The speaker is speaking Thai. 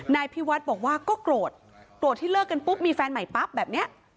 นายพิวัฒน์บอกว่าก็โกรธโกรธที่เลิกกันปุ๊บมีแฟนใหม่ปั๊บแบบนี้